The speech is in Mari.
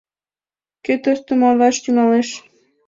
Кӧ тостым ойлаш тӱҥалеш?